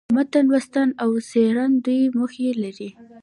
د متن لوستل او څېړل دوې موخي لري.